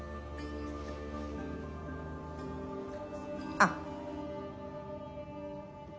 あっ。